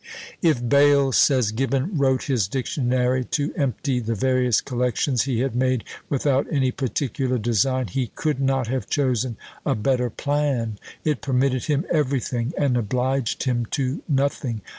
"If Bayle," says Gibbon, "wrote his Dictionary to empty the various collections he had made, without any particular design, he could not have chosen a better plan. It permitted him everything, and obliged him to nothing.